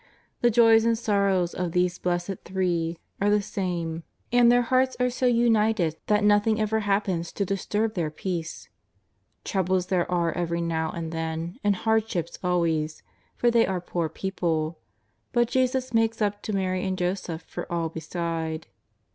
The joys and Borrows of these blessed Three are the same, and their 98 JESUS OF NAZARETH. 99 hearts are so united that nothing ever happens to dis turb their peace. Troubles there are every now and then, and hardships always, for they are poor people. But Jesus makes up to Mary and Joseph for all beside.